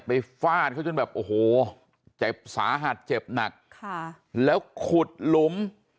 ฟาดเขาจนแบบโอ้โหเจ็บสาหัสเจ็บหนักค่ะแล้วขุดหลุม